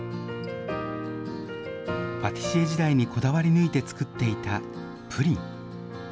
パティシエ時代にこだわり抜いて作っていたプリン。